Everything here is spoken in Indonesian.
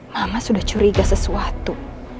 mama sudah curiga sesuatu